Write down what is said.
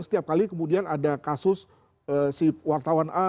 setiap kali kemudian ada kasus si wartawan a